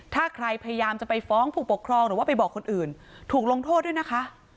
ถ้าใครพยายามจะไปฟ้องผู้ปกครองหรือว่าไปบอกคนอื่นถูกลงโทษด้วยนะคะ